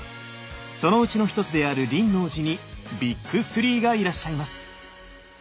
そのうちの一つである輪王寺にビッグ３がいらっしゃいます！